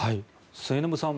末延さん